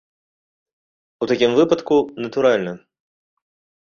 У такім выпадку, натуральна!